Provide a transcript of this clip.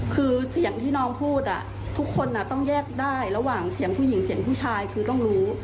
คือเสียงที่น้องพูดทุกคนต้องแยกได้ระหว่างเสียงผู้หญิงเสียงผู้ชายคือต้องรู้